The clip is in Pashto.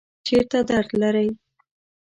چیرته درد لرئ؟